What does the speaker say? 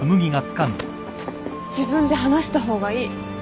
自分で話した方がいい。